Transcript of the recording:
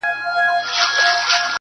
یار اوسېږمه په ښار نا پرسان کي,